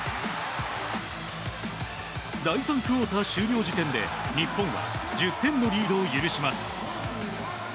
第３クオーター終了時点で日本は１０点のリードを許します。